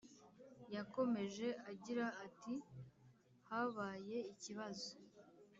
yakomeje agira ati “habaye ikibazo,